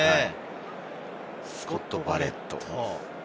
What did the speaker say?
スコット・バレット。